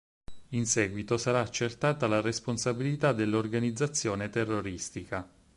In seguito sarà accertata la responsabilità dell'organizzazione terroristica.